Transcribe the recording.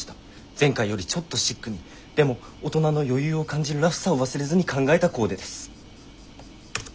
前回よりちょっとシックにでも大人の余裕を感じるラフさを忘れずに考えたコーデです。